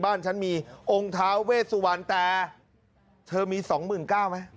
บ้านฉันมีองค์ท้าเวสวรรณแต่เธอมี๒๙๐๐ไหม